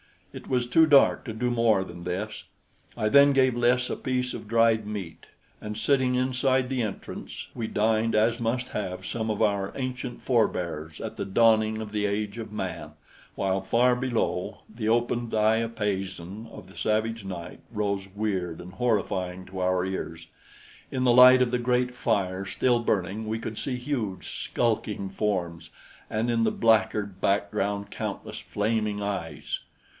It was too dark to do more than this. I then gave Lys a piece of dried meat, and sitting inside the entrance, we dined as must have some of our ancient forbears at the dawning of the age of man, while far below the open diapason of the savage night rose weird and horrifying to our ears. In the light of the great fire still burning we could see huge, skulking forms, and in the blacker background countless flaming eyes.